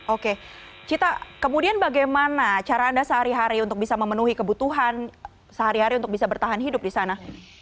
oke cita kemudian bagaimana cara anda sehari hari untuk bisa memenuhi kebutuhan sehari hari untuk bisa bertahan hidup di sana